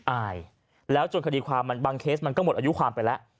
อายแล้วจนคดีความมันบางเคสมันก็หมดอายุความไปแล้ว